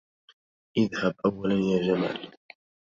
اذهب أولا يا جمال.